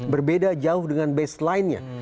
berbeda jauh dengan baseline nya